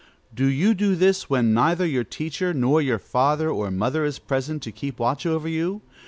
Do you do this when neither your teacher, nor your father or mother is present to keep watch over you?